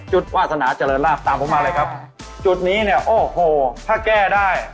วาสนาเจริญลาบตามผมมาเลยครับจุดนี้เนี่ยโอ้โหถ้าแก้ได้